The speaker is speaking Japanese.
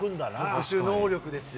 特殊能力ですよ。